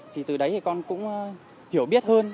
thì từ đấy thì con cũng hiểu biết hơn